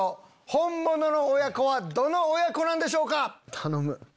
ホンモノの親子はどの親子なんでしょうか？